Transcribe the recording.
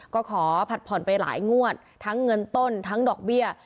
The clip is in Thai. ก็ขอผัดผ่อนไปหลายงวดทั้งเงินต้นทั้งดอกเบี้ย